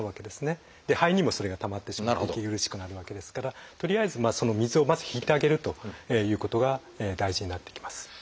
で肺にもそれが溜まってしまって息苦しくなるわけですからとりあえずその水をまず引いてあげるということが大事になってきます。